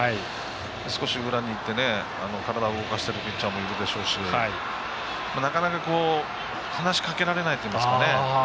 少し裏に行って体を動かしているピッチャーもいるでしょうしなかなか話しかけられないっていうんですかね。